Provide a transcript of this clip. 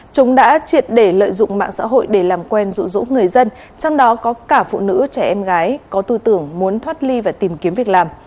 chúng đã triệt để lợi dụng mạng xã hội để làm quen rụ rỗ người dân trong đó có cả phụ nữ trẻ em gái có tư tưởng muốn thoát ly và tìm kiếm việc làm